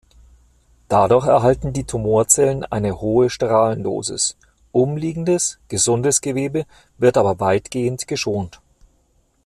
Dadurch erhalten die Tumorzellen eine hohe Strahlendosis, umliegendes, gesundes Gewebe wird aber weitgehend geschont.